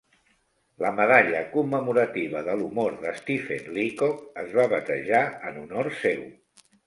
La Medalla Commemorativa de l'Humor de Stephen Leacock es va batejar en honor seu.